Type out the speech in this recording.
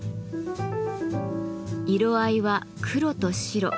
色合いは黒と白。